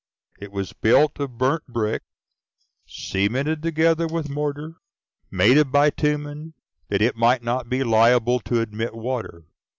It was built of burnt brick, cemented together with mortar, made of bitumen, that it might not be liable to admit water.